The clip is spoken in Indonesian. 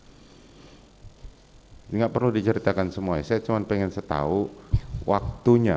ini tidak perlu diceritakan semua saya cuma ingin tahu waktunya